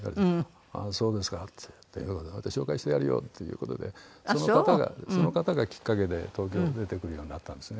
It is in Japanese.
「ああそうですか」って「紹介してやるよ」っていう事でその方がその方がきっかけで東京出てくるようになったんですね。